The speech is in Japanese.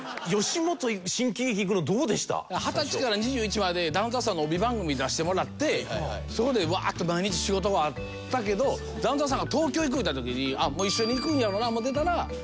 二十歳から２１までダウンタウンさんの帯番組に出してもらってそこでワーッと毎日仕事はあったけどダウンタウンさんが東京行く言うた時にもう一緒に行くんやろな思ってたら。